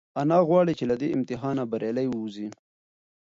انا غواړي چې له دې امتحانه بریالۍ ووځي.